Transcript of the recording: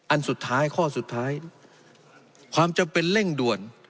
อันสุดท้ายข้อสุดท้ายความจำเป็นเร่งด่วน